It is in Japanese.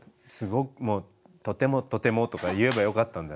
もうとてもとてもとか言えばよかったんだ